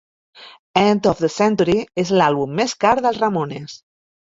"End of the Century" és l'àlbum més car dels Ramones.